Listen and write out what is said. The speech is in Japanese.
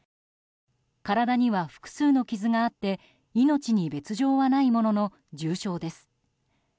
体には複数の傷があって命に別条はないものの重傷です。